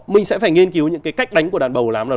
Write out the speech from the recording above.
mình sẽ phải nghiên cứu những cái cách đánh của đàn bầu làm nào